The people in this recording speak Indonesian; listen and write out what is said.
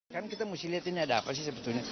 kan kita mesti lihat ini ada apa sih sebetulnya